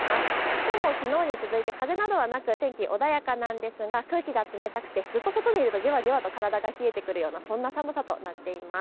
きょうもきのうと続いて風もなく天気穏やかですが空気が冷たくずっと外にいるとじわじわと体が冷えてくる、そんな寒さとなっています。